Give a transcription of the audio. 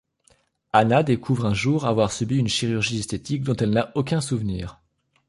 Anna découvre un jour avoir subi une chirurgie esthétique dont elle n'a aucun souvenir.